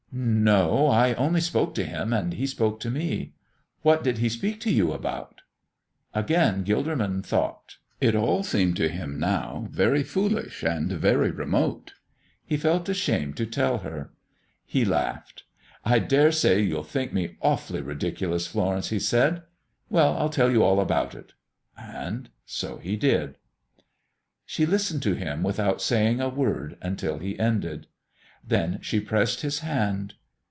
"No; I only spoke to Him and He spoke to me." "What did He speak to you about?" Again Gilderman thought. It all seemed to him now very foolish and very remote. He felt ashamed to tell her. He laughed. "I dare say you'll think me awfully ridiculous, Florence," he said. "Well, I'll tell you all about it." And so he did. She listened to him without saying a word until he ended. Then she pressed his hand.